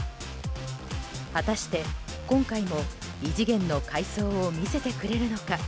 果たして今回も異次元の快走を見せてくれるのか。